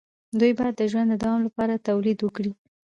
دوی باید د ژوند د دوام لپاره تولید وکړي.